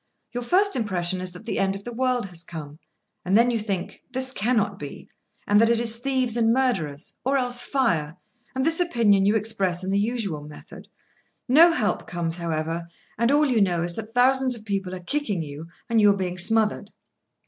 Your first impression is that the end of the world has come; and then you think that this cannot be, and that it is thieves and murderers, or else fire, and this opinion you express in the usual method. No help comes, however, and all you know is that thousands of people are kicking you, and you are being smothered.